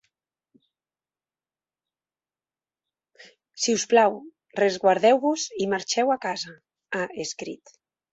Si us plau, resguardeu-vos i marxeu a casa, ha escrit.